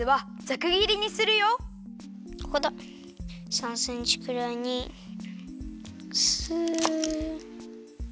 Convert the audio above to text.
３センチくらいにスッ。